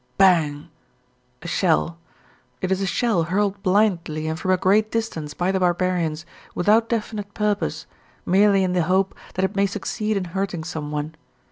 Bang! A shell! It is a shell hurled blindly and from a great distance by the barbarians, without definite purpose, merely in the hope that it may succeed in hurting someone.